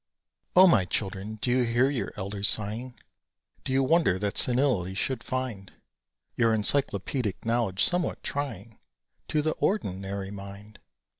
_] O my Children, do you hear your elders sighing? Do you wonder that senility should find Your encyclopædic knowledge somewhat trying To the ordinary mind?